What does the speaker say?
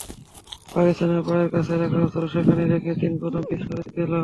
পাকিস্তানিরা পায়ের কাছে রাখা অস্ত্র সেখানেই রেখে তিন কদম পিছে সরে গেল।